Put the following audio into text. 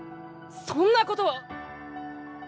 そんなこと。